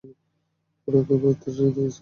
উনাকে প্যাথেড্রিন দিয়েছি!